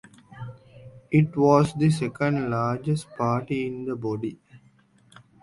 It was the second largest party in the body.